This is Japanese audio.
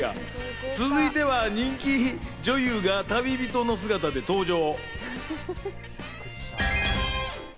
続いては人気女優が旅人の姿で登場。